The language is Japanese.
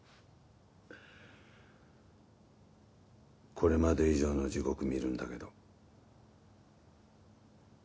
これまで以上の地獄見るんだけど。